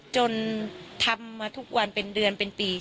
จนทำมาทุกวันเป็นเดือนเป็นปี